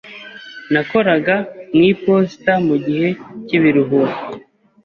Nakoraga mu iposita mugihe cyibiruhuko.